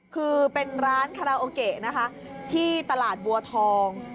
คือเป็นร้านคาราโอเกะนะคะที่ตลาดบัวทอง